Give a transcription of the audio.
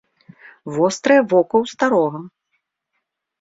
Вострае вока ў старога.